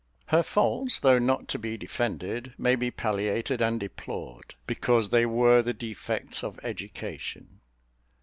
Her faults, though not to be defended, may be palliated and deplored, because they were the defects of education.